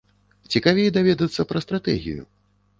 Цікавей даведацца пра стратэгію.